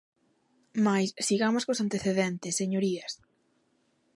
Mais sigamos cos antecedentes, señorías.